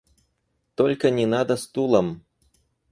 Только не надо стулом!